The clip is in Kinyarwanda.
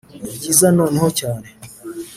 nibyiza noneho cyane